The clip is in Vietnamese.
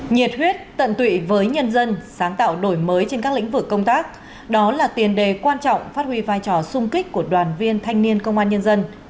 nhiệt huyết tận tụy với nhân dân sáng tạo đổi mới trên các lĩnh vực công tác đó là tiền đề quan trọng phát huy vai trò sung kích của đoàn viên thanh niên công an nhân dân